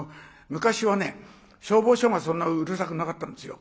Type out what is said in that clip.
昔は消防署がそんなうるさくなかったんですよ。